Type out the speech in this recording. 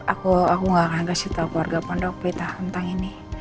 aku gak akan kasih tau keluarga pendok pelita tentang ini